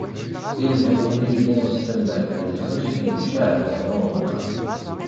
Ilemẓi-nni yellan s tamart d Lḥusin n Caɛban u Ṛemḍan.